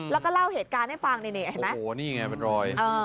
แล้วก็เล่าเหตุการณ์ให้ฟังนี่ไงเป็นรอย